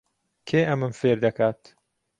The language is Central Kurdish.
کێ ئەمەم فێر دەکات؟